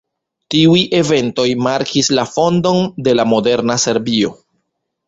Tiuj eventoj markis la fondon de la moderna Serbio.